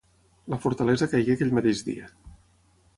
La fortalesa caigué aquell mateix dia.